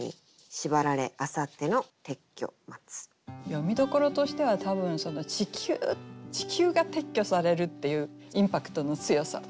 読みどころとしては多分「ちきゅう」が撤去されるっていうインパクトの強さ。